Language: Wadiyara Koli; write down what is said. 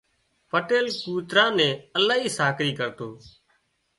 پٽيل ڪوترا ني الاهي ساڪري ڪرتو